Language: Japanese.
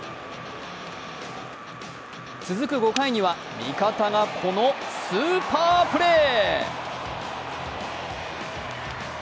続く５回には味方がこのスーパープレー。